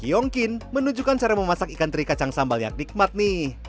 hyong kin menunjukkan cara memasak ikan teri kacang sambal yang nikmat nih